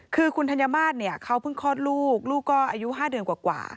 คือคุณธัญมาตรเนี่ยเขาเพิ่งคลอดลูกลูกก็อายุ๕เดือนกว่า